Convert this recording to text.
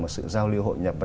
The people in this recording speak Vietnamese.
mà sự giao lưu hội nhà văn